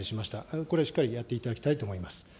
これしっかりやっていただきたいと思います。